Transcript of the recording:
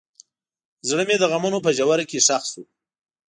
زړه مې د غمونو په ژوره کې ښخ شو.